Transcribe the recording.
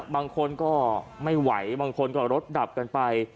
บางคนก็ไม่ไหวบางคนก็รถดับกันไป